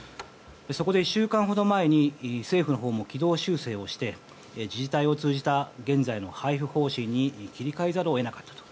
そこで１週間ほど前に政府も軌道修正をして自治体を通じた現在の配布方針に切り替えざるを得なかったと。